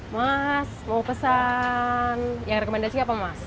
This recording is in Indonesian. mas mau pesan yang rekomendasi apa mas